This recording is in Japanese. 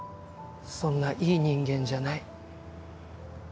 そんないい人間じゃない